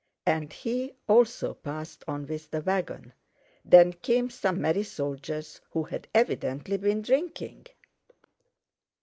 And he also passed on with the wagon. Then came some merry soldiers who had evidently been drinking.